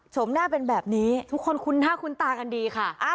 หน้าเป็นแบบนี้ทุกคนคุ้นหน้าคุ้นตากันดีค่ะ